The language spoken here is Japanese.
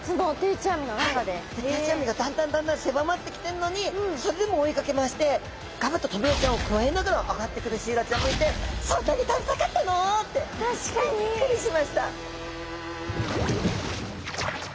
定置網がだんだんだんだん狭まってきてるのにそれでも追いかけ回してがぶっとトビウオちゃんをくわえながら上がってくるシイラちゃんもいてそんなに食べたかったの！？ってびっくりしました！